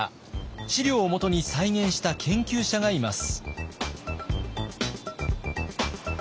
史料をもとに再現した研究者がいます。